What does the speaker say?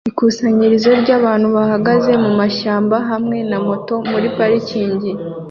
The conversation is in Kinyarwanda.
Ikusanyirizo ryabantu bahagaze mumashyamba hamwe na moto muri parikingi